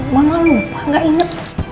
mama lupa gak inget